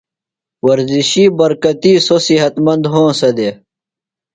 ورزشی برکتی سوۡ صحت مند ہونسہ دےۡ۔